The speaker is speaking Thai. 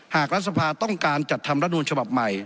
หากรัฐสภาต้องการจัดทำรัฐนูลฉบับใหม่